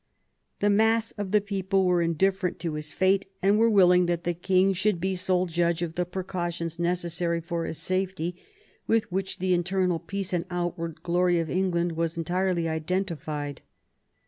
The mass of the people were indifferent to his fate, and 72 THOMAS WOLSEY chap. were willing that the king should be sole judge of the precautions necessary for his safety, with which the internal peace and outward glory of England was en tirely identified.